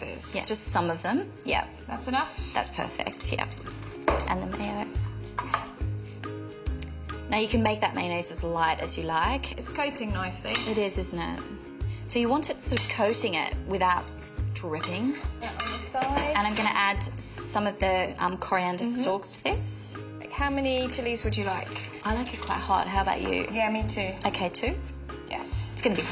はい。